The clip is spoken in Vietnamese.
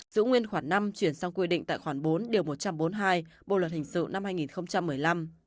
giữ nguyên khoảng năm chuyển sang quy định tại khoản bốn điều một trăm bốn mươi hai bộ luật hình sự năm hai nghìn một mươi năm